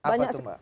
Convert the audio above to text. apa tuh mbak